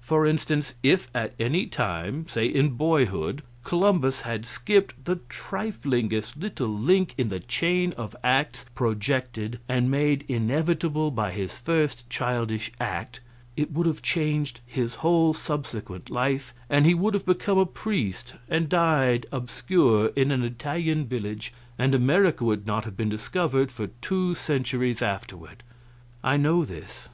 For instance: if at any time say in boyhood Columbus had skipped the triflingest little link in the chain of acts projected and made inevitable by his first childish act, it would have changed his whole subsequent life, and he would have become a priest and died obscure in an Italian village, and America would not have been discovered for two centuries afterward. I know this.